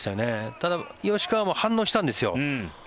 ただ、吉川も反応したんですよ。